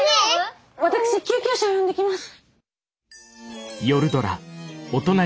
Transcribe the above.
私救急車呼んできます。